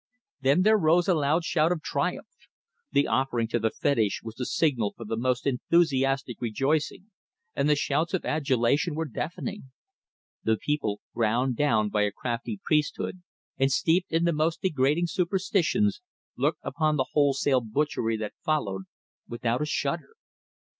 Then there arose a loud shout of triumph. The offering to the fetish was the signal for the most enthusiastic rejoicing, and the shouts of adulation were deafening. The people, ground down by a crafty priesthood, and steeped in the most degrading superstitions, looked upon the wholesale butchery that followed without a shudder.